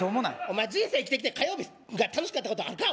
お前人生生きてきて火曜日が楽しかったことあるか？